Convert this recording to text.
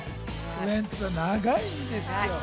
ウエンツ、長いんですよ。